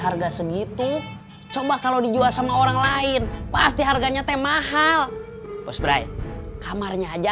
harga segitu coba kalau dijual sama orang lain pasti harganya teh mahal pas brahi kamarnya aja